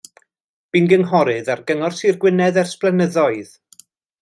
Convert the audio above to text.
Bu'n gynghorydd ar Gyngor Sir Gwynedd ers blynyddoedd.